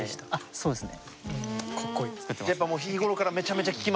そうですね。